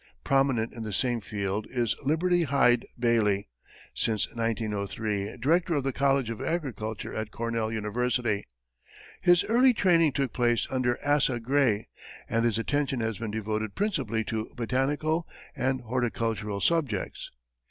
Prominent in the same field is Liberty Hyde Bailey, since 1903 director of the College of Agriculture at Cornell University. His early training took place under Asa Gray, and his attention has been devoted principally to botanical and horticultural subjects.